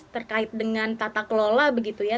terkait dengan tata kelola begitu ya